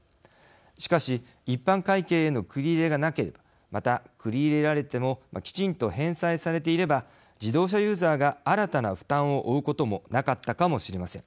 しかし一般会計への繰り入れがなければまた、繰り入れられてもきちんと返済されていれば自動車ユーザーが新たな負担を負うこともなかったかもしれません。